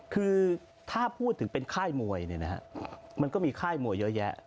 คือถ้าพูดถึงเป็นค่ายมวยเนี่ยนะฮะมันก็มีค่ายมวยเยอะแยะ